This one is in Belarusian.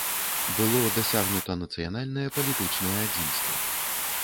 Было дасягнута нацыянальнае палітычнае адзінства.